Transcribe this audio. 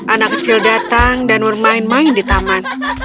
anak kecil datang dan bermain main di taman